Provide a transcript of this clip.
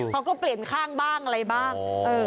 เขาก็เปลี่ยนข้างบ้างอะไรบ้าง